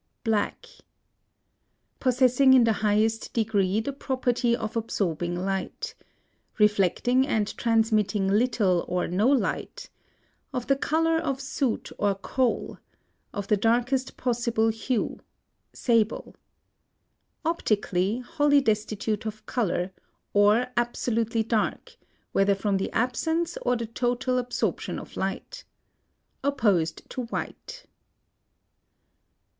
BLACK. Possessing in the highest degree the property of absorbing light; reflecting and transmitting little or no light; of the color of soot or coal; of the darkest possible hue; sable. Optically, wholly destitute of color, or absolutely dark, whether from the absence or the total absorption of light. Opposed to white.